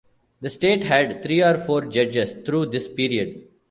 The state had three or four judges through this period.